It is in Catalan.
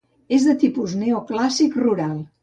És de tipus neoclàssic rural.